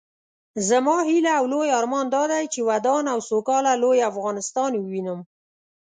زما هيله او لوئ ارمان دادی چې ودان او سوکاله لوئ افغانستان ووينم